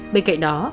bên cạnh đó